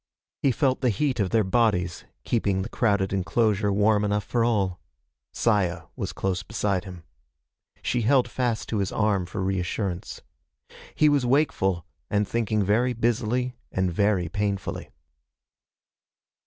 He felt the heat of their bodies, keeping the crowded enclosure warm enough for all. Saya was close beside him. She held fast to his arm for reassurance. He was wakeful, and thinking very busily and very painfully.